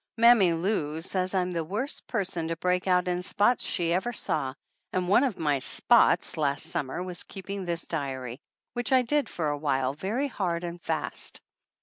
Mammy Lou says I'm the worst person to break out in spots she ever saw, and one of my "spots" last sum mer was keeping this diary, which I did for a while very hard and fast.